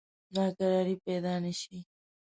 ناکراری پیدا نه شي.